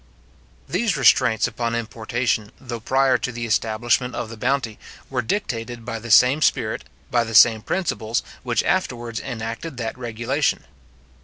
These restraints upon importation, though prior to the establishment of the bounty, were dictated by the same spirit, by the same principles, which afterwards enacted that regulation.